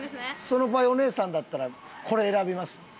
その場合お姉さんだったらこれ選びます？